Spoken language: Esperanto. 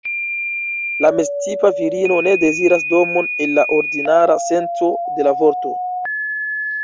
La meztipa virino ne deziras domon en la ordinara senco de la vorto.